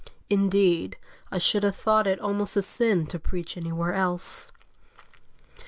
Indeed, I should have thought it almost a sin to preach anywhere else."